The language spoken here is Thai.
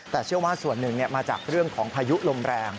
แต่เชื่อว่าส่วนหนึ่งมาจากเรื่องของพายุลมแรง